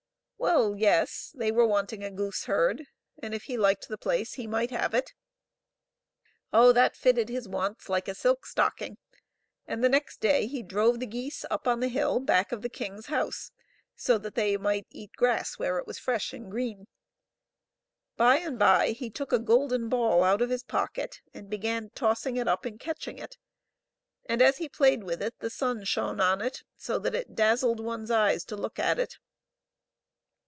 Well, yes ; they were wanting a gooseherd, and if he liked the place he might have it. Oh, that fitted his wants like a silk stocking, and the next day he drove the geese up on the hill back of the king's house, so that they might eat grass where it was fresh and green. By and by he took a golden ball out of his pocket and began tossing it up and catching it, and as he played with it the sun shone on it so that it dazzled one's eyes to look at it.